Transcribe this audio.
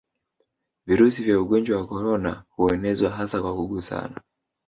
Virusi vya ugonnjwa wa korona huenezwa hasa kwa kugusana